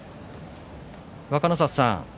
若の里さん